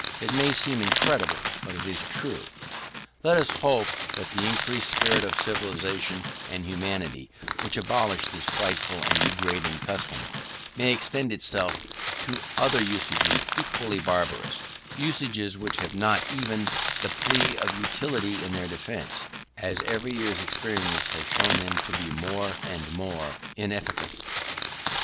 It may seem incredible, but it is true. Let us hope that the increased spirit of civilisation and humanity which abolished this frightful and degrading custom, may extend itself to other usages equally barbarous; usages which have not even the plea of utility in their defence, as every year's experience has shown them to be more and more inefficacious.